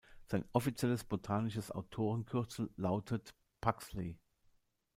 Sein offizielles botanisches Autorenkürzel lautet „Pugsley“.